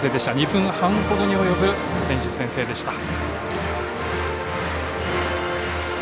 ２分半ほどに及ぶ選手宣誓でした。